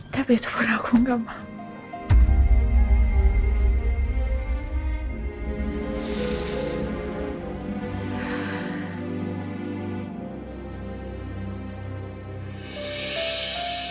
tapi itu pun aku gak mau